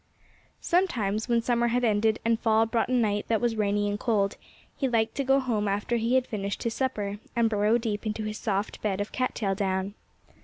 Sometimes, when summer had ended and fall brought a night that was rainy and cold, he liked to go home after he had finished his supper, and burrow deep into his soft bed of cat tail down.